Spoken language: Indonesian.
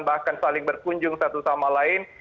bahkan saling berkunjung satu sama lain